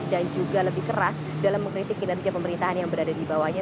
dan juga lebih keras dalam mengkritik kinerja pemerintahan yang berada di bawahnya